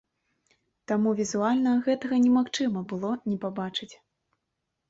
Таму візуальна гэтага немагчыма было не пабачыць.